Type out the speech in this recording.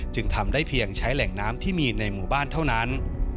จึงทำได้เพียงใช้แหล่งน้ำที่มีในหมู่บ้านเท่านั้น